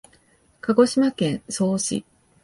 鹿児島県曽於市